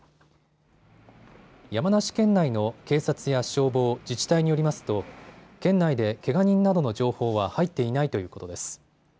山梨県内の警察や消防、自治体によりますと県内でけが人などの情報は入っていないということです。